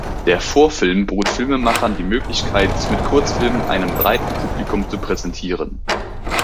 Der Vorfilm bot Filmemachern die Möglichkeit, sich mit Kurzfilmen einem breiten Publikum zu präsentieren.